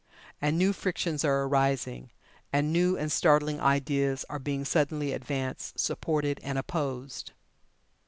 And new frictions are arising, and new and startling ideas are being suddenly advanced, supported and opposed.